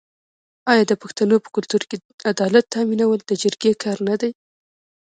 آیا د پښتنو په کلتور کې عدالت تامینول د جرګې کار نه دی؟